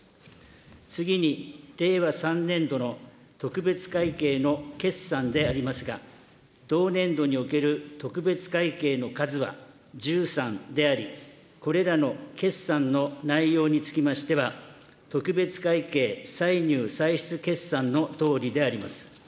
次に、令和３年度の特別会計の決算でありますが、同年度における特別会計の数は１３であり、これらの決算の内容につきましては、特別会計歳入歳出決算のとおりであります。